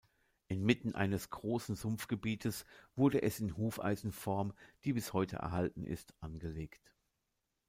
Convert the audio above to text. Inmitten eines großen Sumpfgebietes wurde es in Hufeisenform, die bis heute erhalten ist, angelegt.